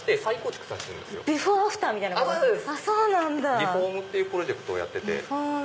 Ｒｅ：ｆｏｒｍっていうプロジェクトをやってて。